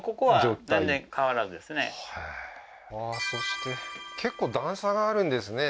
えーそして結構段差があるんですね